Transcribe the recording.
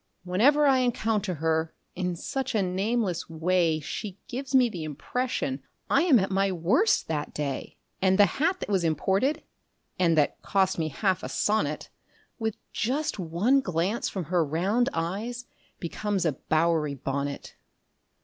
Whenever I encounter her, in such a nameless way She gives me the impression I am at my worst that day; And the hat that was imported (and that cost me half a sonnet) With just one glance from her round eyes becomes a Bowery bonnet.